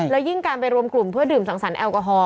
แล้วยิ่งการไปรวมกลุ่มเพื่อดื่มสังสรรแอลกอฮอล